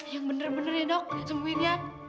yang bener bener ya dok sembuhin dia